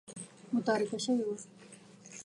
متارکه شوې وه.